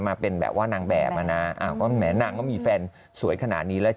มาเป็นแบบว่านางแบบอะนะแม้นางก็มีแฟนสวยขนาดนี้แล้ว